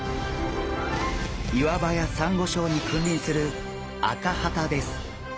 岩場やサンゴ礁に君臨するアカハタです。